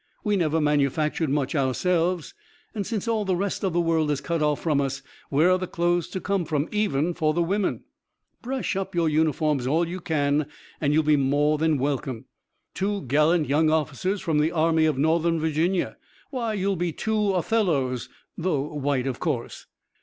"We never manufactured much ourselves, and since all the rest of the world is cut off from us where are the clothes to come from even for the women? Brush up your uniforms all you can and you'll be more than welcome. Two gallant young officers from the Army of Northern Virginia! Why, you'll be two Othellos, though white, of course."